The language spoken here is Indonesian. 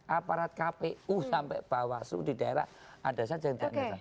aparat kpu sampai bawaslu di daerah ada saja yang tidak netral